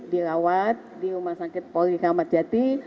dirawat di rumah sakit poli kramatjati